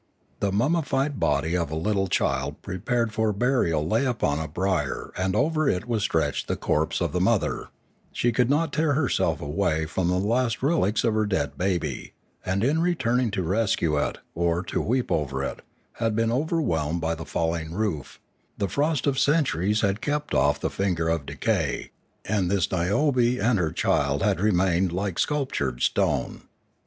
The mummied body of a little child prepared for burial lay upon a bier and over it was stretched the corpse of the mother; she could not tear herself away from the last relics of her dead baby, and in returning to rescue it, or to weep over it, had been overwhelmed by the falling roof; the frost of cent uries had kept off the finger of decay, and this Niobe and her child had remained like sculptured stone.